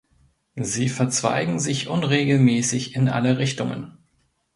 Sie verzweigen sich unregelmäßig in alle Richtungen.